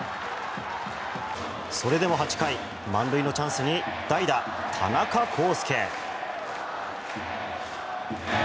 それでも８回満塁のチャンスに代打、田中広輔。